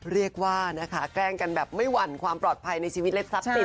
เรียกว่านะคะแกล้งกันแบบไม่หวั่นความปลอดภัยในชีวิตเล็กซับติดเลยค่ะ